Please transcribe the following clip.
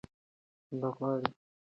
دی غواړي چې زموږ کلتور ژوندی پاتې شي.